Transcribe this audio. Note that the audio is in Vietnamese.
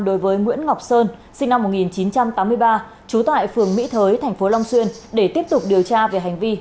đối với nguyễn ngọc sơn sinh năm một nghìn chín trăm tám mươi ba trú tại phường mỹ thới tp long xuyên để tiếp tục điều tra về hành vi